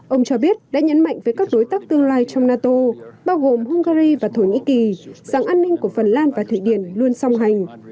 ông cho biết đã nhấn mạnh với các đối tác tương lai trong nato bao gồm hungary và thổ nhĩ kỳ rằng an ninh của phần lan và thụy điển luôn song hành